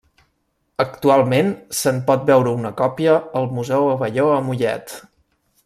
Actualment se'n pot veure una còpia al Museu Abelló a Mollet.